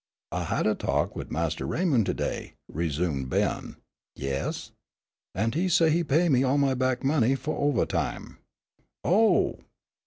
"I had a talk wid Mas' Raymond to day," resumed Ben. "Yes?" "An' he say he pay me all my back money fu' ovahtime." "Oh!"